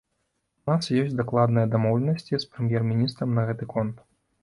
У нас ёсць дакладныя дамоўленасці з прэм'ер-міністрам на гэты конт.